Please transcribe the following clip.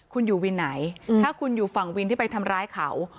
คุณอยู่วินไหนถ้าคุณอยู่ฝั่งวินที่ไปทำร้ายเขา